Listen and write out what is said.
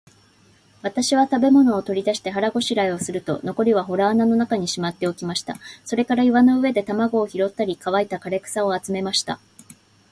私は食物を取り出して、腹ごしらえをすると、残りは洞穴の中にしまっておきました。それから岩の上で卵を拾ったり、乾いた枯草を集めました。